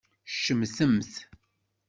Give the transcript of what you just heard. Tcemtemt.